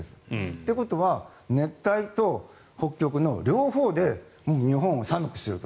ということは熱帯と北極の両方で日本を寒くすると。